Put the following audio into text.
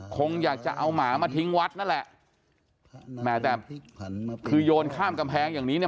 คงอยากจะเอาหมามาทิ้งวัดนั่นแหละแหมแต่คือโยนข้ามกำแพงอย่างนี้เนี่ย